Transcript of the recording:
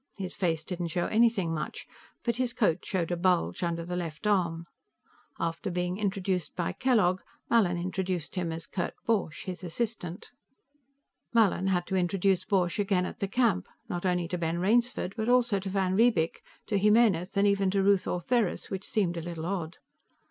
His face didn't show anything much, but his coat showed a bulge under the left arm. After being introduced by Kellogg, Mallin introduced him as Kurt Borch, his assistant. Mallin had to introduce Borch again at the camp, not only to Ben Rainsford but also to van Riebeek, to Jimenez and even to Ruth Ortheris, which seemed a little odd.